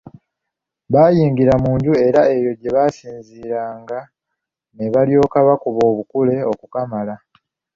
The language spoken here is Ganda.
Baayingira mu nju era eyo gye basinziiranga ne balyoka bakuba obukule okukamala!